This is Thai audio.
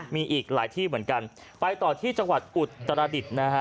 มีอีกหลายที่เหมือนกันไปต่อที่จังหวัดอุตรดิษฐ์นะฮะ